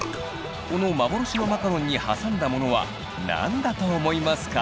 この幻のマカロンに挟んだものは何だと思いますか？